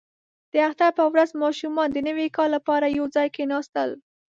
• د اختر په ورځ ماشومان د نوي کال لپاره یو ځای کښېناستل.